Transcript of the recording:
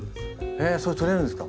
えっそれ取れるんですか？